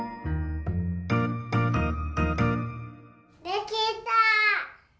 できた！